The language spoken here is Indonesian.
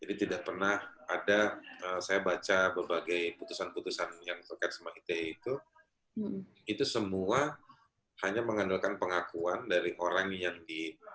jadi tidak pernah ada saya baca berbagai putusan putusan yang terkait sama ite itu itu semua hanya mengandalkan pengakuan dari orang yang di